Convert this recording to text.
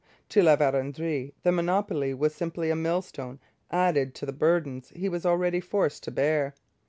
To La Vérendrye the monopoly was simply a millstone added to the burdens he was already forced to bear.